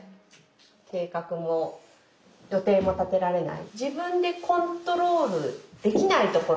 計画も予定も立てられないでその瞬間